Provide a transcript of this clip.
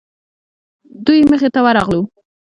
دوی مخې ته ورغلو.